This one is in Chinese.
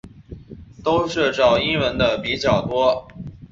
都是找英文的比较多